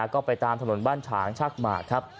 ก็ไปตามถนนบ้านฉางชักหมากครับ